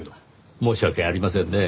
申し訳ありませんねぇ。